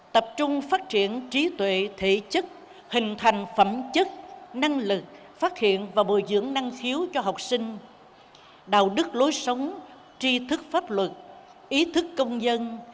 tập trung phát triển trí tuệ thể chất hình thành phẩm chất năng lực phát hiện và bồi dưỡng năng khiếu cho học sinh đạo đức lối sống tri thức pháp luật ý thức công dân